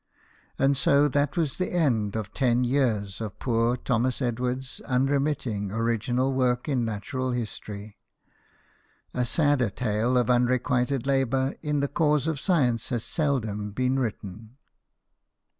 And so that was the end of ten years of poor Thomas Edward's unremitting original work in natural history. A sadder tale of unrequited labour in the cause of science has seldom been written.